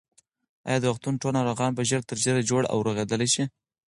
ایا د روغتون ټول ناروغان به ژر تر ژره جوړ او رغېدلي شي؟